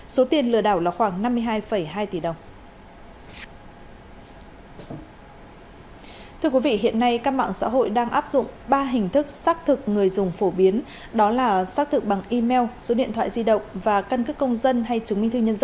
số tiền lừa đảo là khoảng năm mươi hai hai tỷ đồng